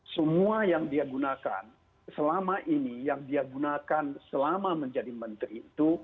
semua yang dia gunakan selama ini yang dia gunakan selama menjadi menteri itu